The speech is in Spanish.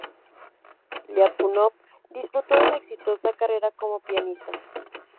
Liapunov disfrutó de una exitosa carrera como pianista.